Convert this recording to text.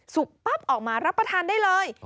ปั๊บออกมารับประทานได้เลย